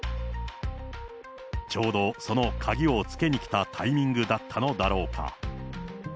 ちょうどその鍵をつけにきたタイミングだったのだろうか。